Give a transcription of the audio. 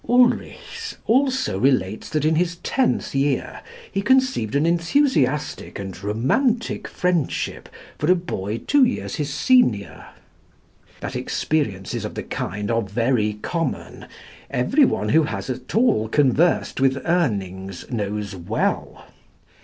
Ulrichs also relates that in his tenth year he conceived an enthusiastic and romantic friendship for a boy two years his senior. That experiences of the kind are very common, every one who has at all conversed with Urnings knows well.